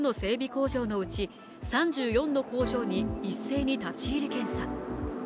工場のうち３４の工場に一斉に立ち入り検査。